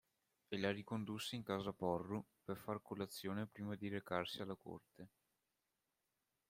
E la ricondusse in casa Porru per far colazione prima di recarsi alla Corte.